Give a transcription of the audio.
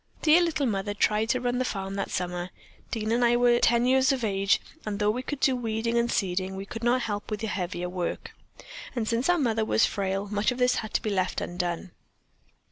"Dear little Mother tried to run the farm that summer. Dean and I were ten years of age, and though we could do weeding and seeding, we could not help with the heavier work, and since our mother was frail much of this had to be left undone.